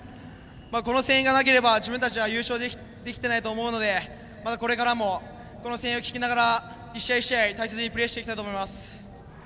この声援がなければ自分たちは優勝できていないと思うのでこれからもこの声援を聞きながら１試合１試合大切にプレーしていきたいと思います。